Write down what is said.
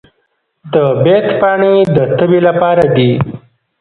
د بید پاڼې د تبې لپاره دي.